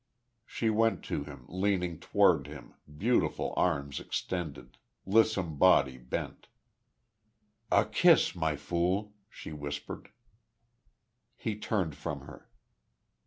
She went to him, leaning toward him, beautiful arms extended, lissome body bent. "A kiss, My Fool," she whispered. He turned from her.